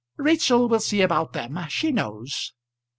"Rachel will see about them; she knows."